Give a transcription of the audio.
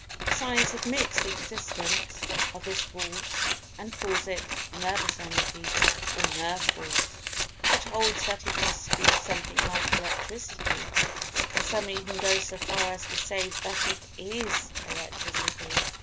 Science admits the existence of this Force, and calls it "Nervous Energy," or "Nerve Force." It holds that it must be something like Electricity, and some even go so far as to say that it is Electricity.